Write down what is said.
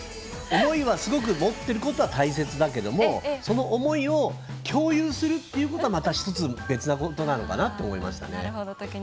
思いはすごく持ってることは大切だけども、その思いを共有するっていうことはまた１つ別なことなのかなと思いましたね。